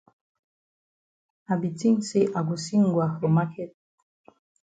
I be tink say I go see Ngwa for maket.